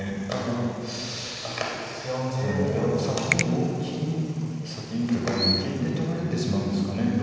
ただこれが先に同金先にというか金で取られてしまうんですかね